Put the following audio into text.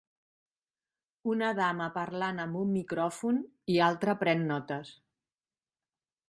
Una dama parlant amb un micròfon i altra pren notes.